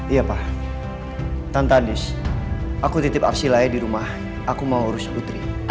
iya pak tante andis aku titip arsila ya di rumah aku mau urus putri